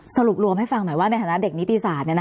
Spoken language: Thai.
สรุปรวมให้ฟังหน่อยว่าในฐานะเด็กนิติศาสตร์